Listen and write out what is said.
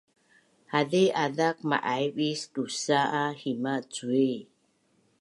hazi azak ma’aiv is dusa’ a hima’ cui